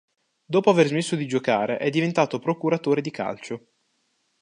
Dopo aver smesso di giocare è diventato procuratore di calcio.